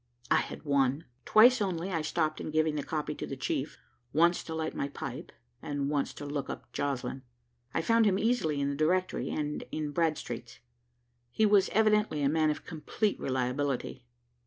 I had won. Twice only I stopped in giving the copy to the chief, once to light my pipe, and once to look up Joslinn. I found him easily in the directory and in Bradstreet's. He was evidently a man of complete reliability.